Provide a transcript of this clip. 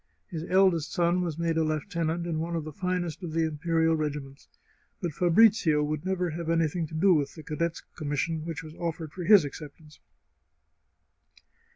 His eldest son was made a lieutenant in one of the finest of the imperial regiments, but Fabrizio would never have anything to do with the cadet's commission which was offered for his acceptance.